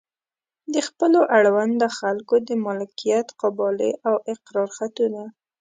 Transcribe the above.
د خپلو اړونده خلکو د مالکیت قبالې او اقرار خطونه.